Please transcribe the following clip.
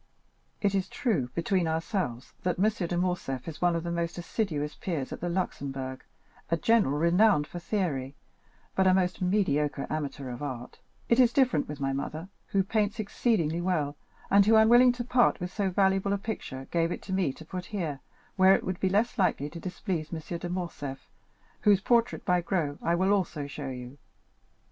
It is true, between ourselves, that M. de Morcerf is one of the most assiduous peers at the Luxembourg, a general renowned for theory, but a most mediocre amateur of art. It is different with my mother, who paints exceedingly well, and who, unwilling to part with so valuable a picture, gave it to me to put here, where it would be less likely to displease M. de Morcerf, whose portrait, by Gros, I will also show you.